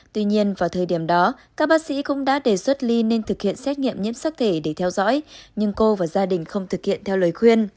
tuy nhiên vào thời điểm đó các bác sĩ cũng đã đề xuất ly nên thực hiện xét nghiệm nhiễm sắc thể để theo dõi nhưng cô và gia đình không thực hiện theo lời khuyên